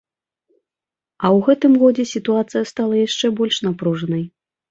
А ў гэтым годзе сітуацыя стала яшчэ больш напружанай.